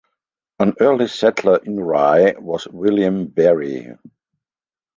An early settler in Rye was William Berry.